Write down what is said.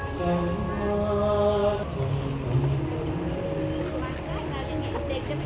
สวัสดีครับสวัสดีครับ